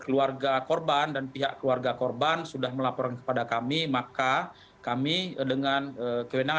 keluarga korban dan pihak keluarga korban sudah melaporkan kepada kami maka kami dengan kewenangan